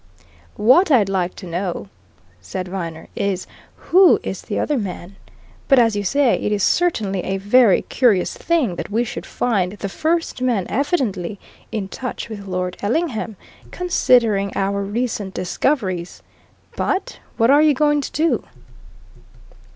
"What I'd like to know," said Viner, "is who is the other man? But as you say, it is certainly a very curious thing that we should find the first man evidently in touch with Lord Ellingham considering our recent discoveries. But what are you going to do?"